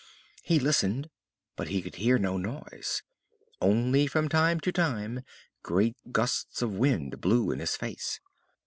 He listened, but he could hear no noise; only from time to time great gusts of wind blew in his face.